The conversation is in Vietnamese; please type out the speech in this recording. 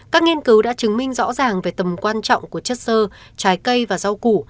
các nghiên cứu đã chứng minh rõ ràng về tầm quan trọng của chất sơ trái cây và rau củ